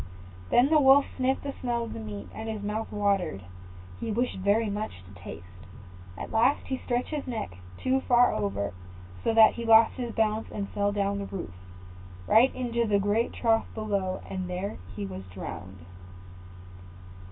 Then the Wolf sniffed the smell of the meat, and his mouth watered, and he wished very much to taste. At last he stretched his neck too far over, so that he lost his balance, and fell down from the roof, right into the great trough below, and there he was drowned.